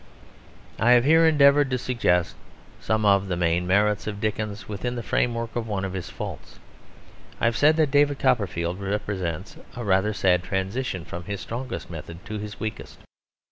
I have here endeavoured to suggest some of the main merits of Dickens within the framework of one of his faults. I have said that David Copperfield represents a rather sad transition from his strongest method to his weakest.